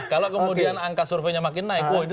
kalau kemudian angka surveinya makin naik wah ini